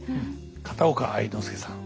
片岡愛之助さん